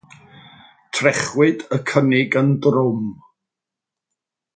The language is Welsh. Trechwyd y cynnig yn drwm.